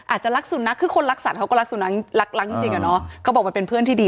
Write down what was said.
อาจจะลักษุนณคือคนลักษัตริย์เขาก็ลักษุนละรักจริงอะเนาะเค้าบอกว่าเป็นเพื่อนที่ดี